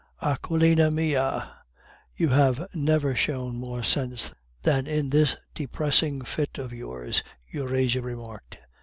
"Aquilina mia, you have never shown more sense than in this depressing fit of yours," Euphrasia remarked.